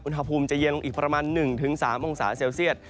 อุณหภูมิจะเย็นลงอีกประมาณ๑๓องศาเซลเซียต